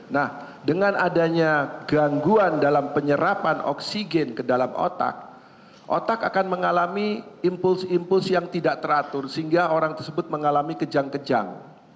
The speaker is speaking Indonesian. nah dengan adanya gangguan dalam penyerapan oksigen ke dalam otak otak akan mengalami impuls impuls yang tidak teratur sehingga orang tersebut mengalami kejang kejang